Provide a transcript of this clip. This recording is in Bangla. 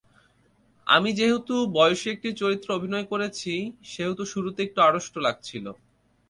আমি যেহেতু বয়সী একটি চরিত্রে অভিনয় করেছি, সেহেতু শুরুতে একটু আড়ষ্ট লাগছিল।